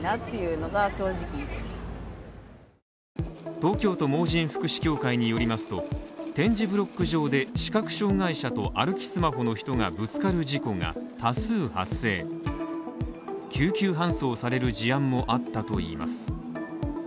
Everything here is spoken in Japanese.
東京都盲人福祉協会によりますと、点字ブロック上で、視覚障害者と歩きスマホの人がぶつかる事故が多数発生救急搬送される事案もあったといいます。